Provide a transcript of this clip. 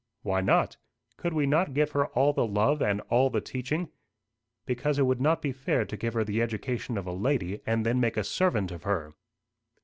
"Why not? Could we not give her all the love and all the teaching?" "Because it would not be fair to give her the education of a lady, and then make a servant of her."